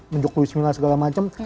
menjuklu ismi lah segala macam